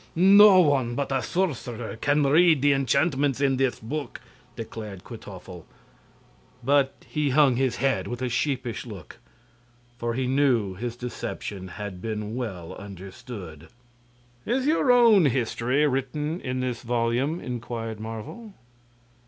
"No one but a sorcerer can read the enchantments in this book," declared Kwytoffle; but he hung his head with a sheepish look, for he knew his deception had been well understood. "Is your own history written in this volume?" inquired Marvel.